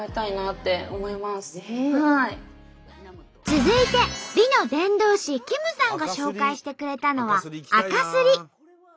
続いて美の伝道師キムさんが紹介してくれたのはあかすり。